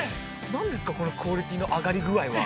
◆何ですか、このクオリティーの上がり具合は。